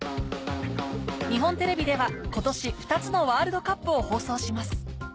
日本テレビでは今年２つのワールドカップを放送します